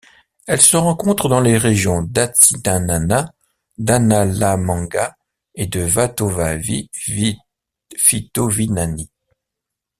Elle se rencontre dans les régions d'Atsinanana, d'Analamanga et de Vatovavy-Fitovinany.